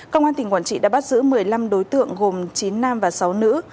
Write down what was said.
công an tỉnh quảng trị đã bắt giữ một mươi năm đối tượng gồm chín nam và sáu nữ